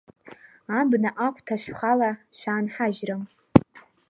Абна агәҭа шәхала шәаанҳажьрым.